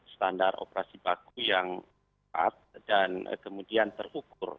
standar operasi baku yang tepat dan kemudian terukur